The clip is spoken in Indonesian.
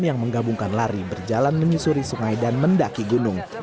yang menggabungkan lari berjalan menyusuri sungai dan mendaki gunung